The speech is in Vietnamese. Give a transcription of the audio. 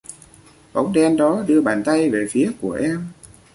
Bóng đen đó đưa bàn tay về phía của em